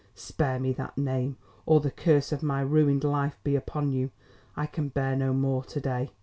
"Spare me that name, or the curse of my ruined life be upon you. I can bear no more to day."